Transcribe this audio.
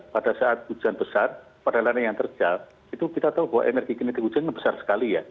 pada saat hujan besar pada lane yang terjal itu kita tahu bahwa energi kinerja hujan besar sekali ya